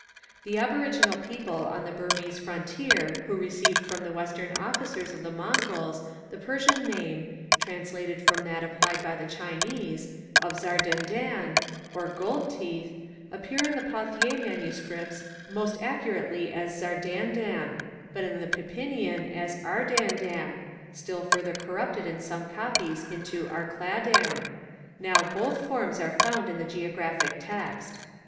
The aboriginal People on the Burmese Frontier who received from the Western officers of the Mongols the Persian name (translated from that applied by the Chinese) of Zardanddn, or Gold Teeth, appear in the Pauthier MSS. most accurately as Zardandan, but in the Pipinian as Ardandan (still further corrupted in some copies into Arcladam). Now both forms are found in the Geographic Text.